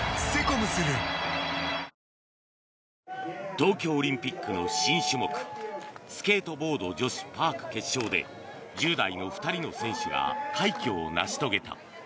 東京オリンピックの新種目スケートボード女子パーク決勝で１０代の２人の選手が快挙を成し遂げた。